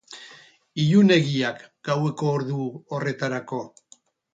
Ilunegiak, gaueko ordu horretarako.